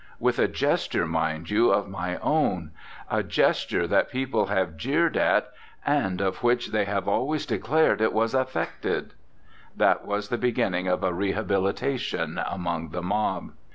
with a gesture, mind you, of my own a ges ture that people have jeered at and of 85 RECOLLECTIONS OF OSCAR WILDE which they have always declared it was affected!" That was the beginning of a rehabilitation among the mob.